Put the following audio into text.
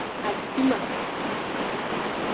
Aciima.